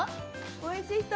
おいしい人？